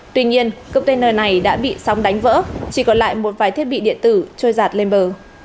tuy nhiên container này đã bị sóng đánh vỡ chỉ còn lại một vài thiết bị điện tử trôi giạt lên bờ